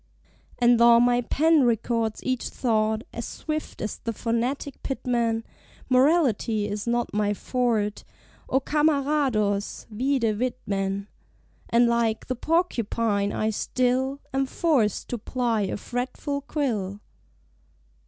And tho' my pen records each thought As swift as the phonetic Pitman, Morality is not my "forte," O Camarados! (vide Whitman) And, like the Porcupine, I still Am forced to ply a fretful quill.